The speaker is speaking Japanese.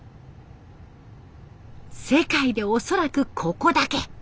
世界で恐らくここだけ。